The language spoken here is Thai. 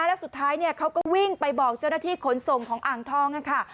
แล้วสุดท้ายเนี่ยเขาก็วิ่งไปบอกเจ้าหน้าที่ขนส่งของอ่างทองค่ะ